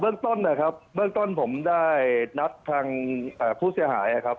เรื่องต้นนะครับเบื้องต้นผมได้นัดทางผู้เสียหายนะครับ